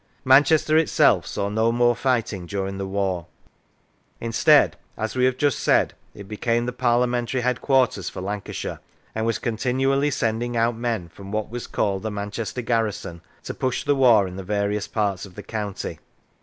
Manchester itself saw no more righting during the war; instead, as we have just said, it became the Parliamentary headquarters for Lancashire, and was continually sending out men from what was called the Manchester garrison to push the war in the various parts of the county.